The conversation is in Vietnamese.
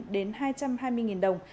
đến hai trăm hai mươi đồng